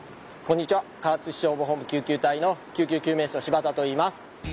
唐津市消防本部救急隊の救急救命士の柴田といいます。